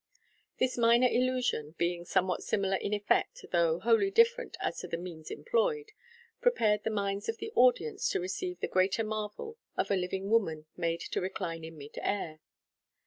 This minor illusion, being somewhat similar in effect (though wholly different as to the means employed), prepared the ninds of the audience to receive the greater marvel of a living woman made to recline in mid air.